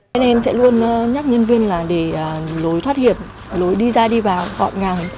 anh em sẽ luôn nhắc nhân viên là để lối thoát hiểm lối đi ra đi vào gọn ngang